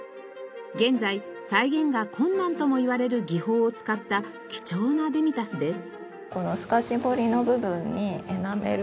現在再現が困難ともいわれる技法を使った貴重なデミタスです。